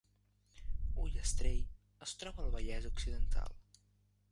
Ullastrell es troba al Vallès Occidental